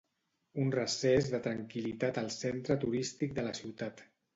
Un recés de tranquil·litat al centre turístic de la ciutat.